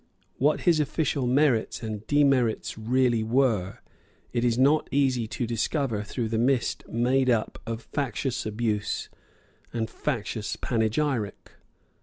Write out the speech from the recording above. What his official merits and demerits really were it is not easy to discover through the mist made up of factious abuse and factious panegyric.